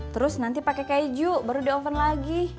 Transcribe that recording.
terus nanti pakai keju baru di oven lagi